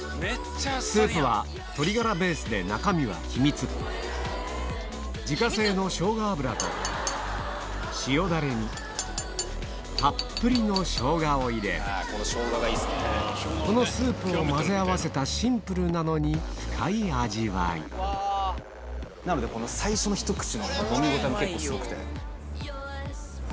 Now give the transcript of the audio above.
スープは鶏ガラベースで中身は秘密自家製のたっぷりのこのスープを混ぜ合わせたシンプルなのに深い味わい最初のひと口の飲み応えも結構すごくて。